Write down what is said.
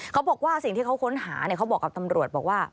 เขาบอกว่าสิ่งที่เขาค้นหาเขาบอกกับตำรวจบอกว่า